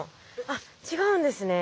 あっ違うんですね。